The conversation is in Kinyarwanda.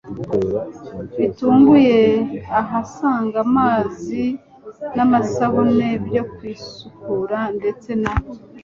bitunguye ahasanga amazi n'amasabune byo kwisukura ndetse na